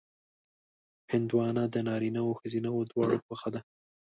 هندوانه د نارینهوو او ښځینهوو دواړو خوښه ده.